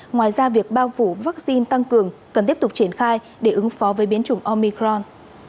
ngoài ra việc bao phủ vaccine tăng cường cần tiếp tục triển khai để ứng phó với biến chủng omicron